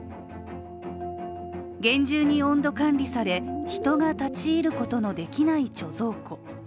厳重に温度管理され人が立ち入ることのできない貯蔵庫。